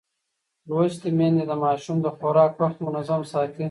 لوستې میندې د ماشوم د خوراک وخت منظم ساتي.